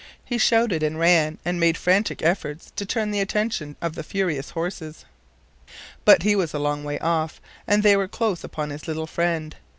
He shouted and ran and made frantic efforts to turn the attention of the furious horses, but he was a long way off and they were close upon his little friend.